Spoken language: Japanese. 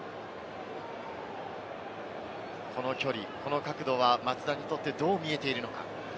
この距離、この角度は松田にとってどう見えているのか？